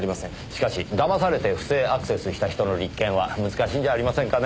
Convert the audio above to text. しかし騙されて不正アクセスした人の立件は難しいんじゃありませんかねぇ。